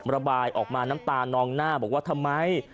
ระบายออกมาน้ำตานองหน้าบอกว่าทำไม